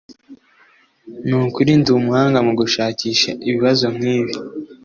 Nukuri ndumuhanga mugushakisha ibibazo nkibi.